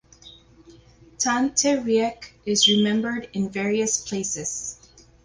Tante Riek is remembered in various places.